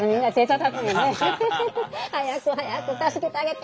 「早く早く助けてあげて！」